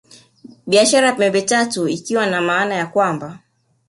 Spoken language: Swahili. Biashara ya Pembe Tatu ikiwa na maana ya kwamba